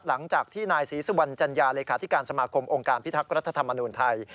หลังจากที่นายศรีสุวรรณจัญญาเลขาธิการสมาคมองค์การพิทักษ์รัฐธรรมนูญไทย